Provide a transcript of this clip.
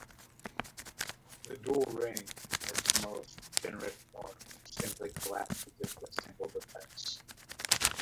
The dual ring in its most degenerate form simply collapses into a single device.